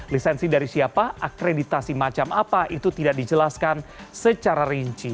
lisensi dari siapa akreditasi macam apa itu tidak dijelaskan secara rinci